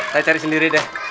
saya cari sendiri deh